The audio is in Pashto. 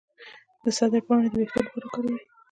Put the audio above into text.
د سدر پاڼې د ویښتو لپاره وکاروئ